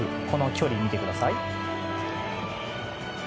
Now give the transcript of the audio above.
この距離見てください。